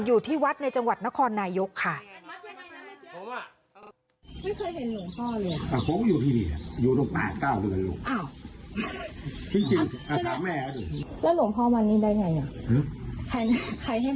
อยู่ที่วัดในจังหวัดนครนายกค่ะ